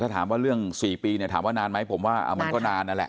ถ้าถามว่าเรื่อง๔ปีเนี่ยถามว่านานไหมผมว่ามันก็นานนั่นแหละ